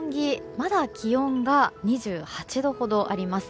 まだ気温が２８度ほどあります。